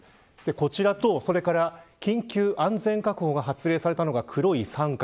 こちらとそれから緊急安全確保が発令されたのが黒い三角。